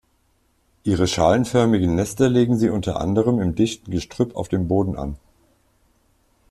Ihre schalenförmigen Nester legen sie unter anderem im dichten Gestrüpp auf dem Boden an.